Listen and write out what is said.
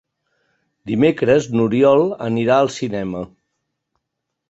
Dimecres n'Oriol anirà al cinema.